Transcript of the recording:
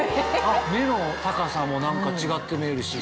目の高さも何か違って見えるし。